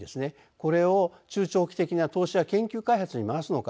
これを中長期的な投資や研究開発に回すのか